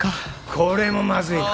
これもまずいな。